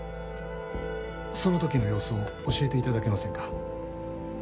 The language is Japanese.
その時の様子を教えて頂けませんか？